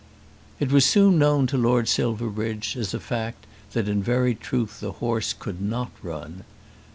It was soon known to Lord Silverbridge as a fact that in very truth the horse could not run.